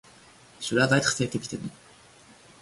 Cela va être fait, capitaine.